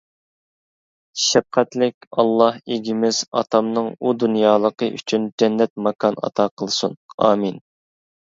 شەپقەتلىك ئاللا ئىگىمىز ئاتامنىڭ ئۇ دۇنيالىقى ئۈچۈن جەننەت ماكان ئاتا قىلسۇن، ئامىن!